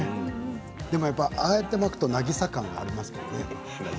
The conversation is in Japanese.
でもやっぱりああやって巻くとナギサ感がありますね。